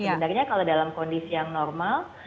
sebenarnya kalau dalam kondisi yang normal